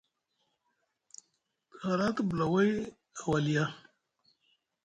Te hala te bula vai a Walia.